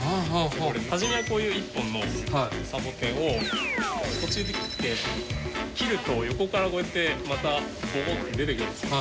始めはこういう１本のサボテンを途中で切って切ると横からこうやってまたボコッと出てくるんですよ。